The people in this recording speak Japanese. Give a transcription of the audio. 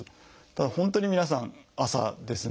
ただ本当に皆さん朝ですね。